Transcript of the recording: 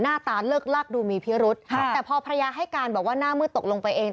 หน้าตาเลิกลักดูมีพิรุษครับแต่พอภรรยาให้การบอกว่าหน้ามืดตกลงไปเอง